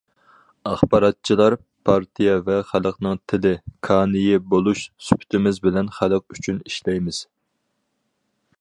ئاخباراتچىلار پارتىيە ۋە خەلقنىڭ تىلى، كانىيى بولۇش سۈپىتىمىز بىلەن خەلق ئۈچۈن ئىشلەيمىز.